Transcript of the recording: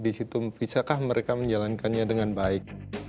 disitu bisakah mereka menjalankannya dengan baik